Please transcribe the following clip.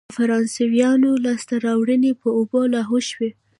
د فرانسویانو لاسته راوړنې په اوبو لاهو شوې.